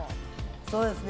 そうですね！